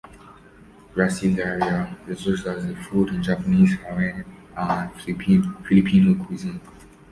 "Gracilaria" is used as a food in Japanese, Hawaiian, and Filipino cuisine.